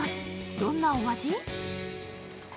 どんなお味？